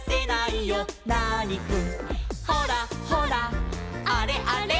「ほらほらあれあれ」